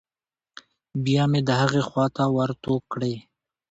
بيا مې د هغې خوا ته ورتو کړې.